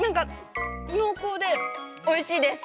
◆濃厚でおいしいです。